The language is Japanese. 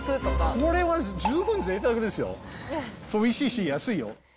これは、十分ぜいたくですよ、おいしいし、安いよ。